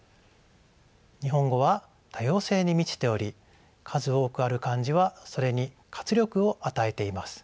日本語は多様性に満ちており数多くある漢字はそれに活力を与えています。